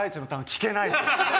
聞けないです。